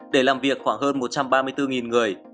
để làm việc khoảng hơn một trăm ba mươi bốn người